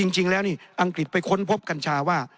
จริงแล้วนี่อังกฤษไปค้นพบกัญชาว่า